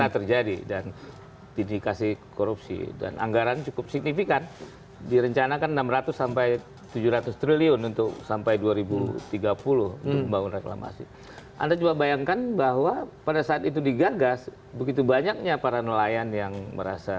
terima kasih terima kasih